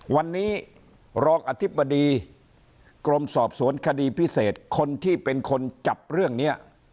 วันนี้รองอธิบดีกรมสอบสวนคดีพิเศษคนที่เป็นคนจับเรื่องนี้